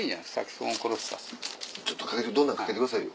ちょっとどんなんかかけてくださいよ。